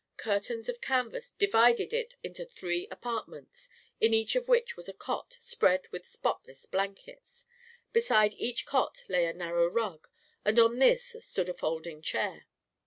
Curtains of canvas divided it into three apartments, in each of which was a cot, spread with spotless blankets. Be side each cot lay a narrow rug, and on this stood a folding chair.